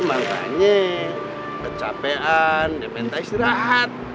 makanya kecapean demen tais dirahat